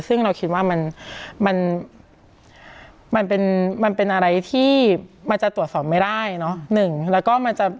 ซึ่งเราคิดว่ามันมันเป็นมันเป็นอะไรที่มันจะตรวจสอบไม่ได้เนาะ